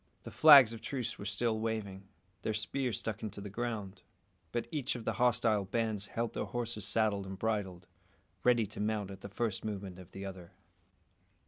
The flags of truce were still waving, their spears stuck into the ground; but each of the hostile bands held their horses saddled and bridled, ready to mount at the first movement of the other.